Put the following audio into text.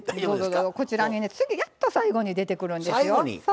こちらにねやっと最後に出てくるんですよ。